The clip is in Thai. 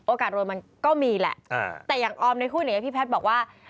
รวยมันก็มีแหละแต่อย่างออมในคู่นี้พี่แพทย์บอกว่า